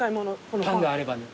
パンがあればね。